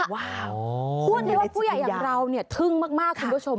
ว้าวควบคุณผู้ใหญ่อย่างเราเนี่ยทึ่งมากคุณผู้ชม